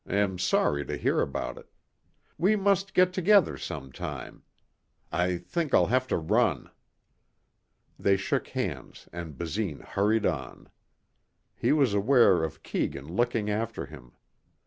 "Am sorry to hear about it. We must get together sometime. I think I'll have to run." They shook hands and Basine hurried on. He was aware of Keegan looking after him.